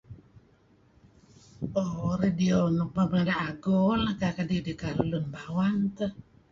Mo radio nuk pemada' ago dih kadi' idih karuh Lun Bawang teh.